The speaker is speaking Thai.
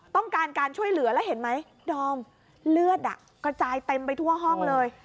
ต้องการการช่วยเหลือแล้วเห็นไหมดอมเลือดกระจายเต็มไปทั่วห้องเลย